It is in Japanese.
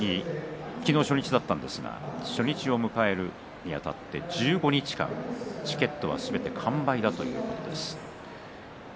昨日、初日だったんですが初日を迎えるにあたってチケットはすべて完売だという話です。